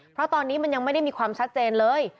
เพราะตอนนี้มันยังไม่ได้มีความชัดเจนเลย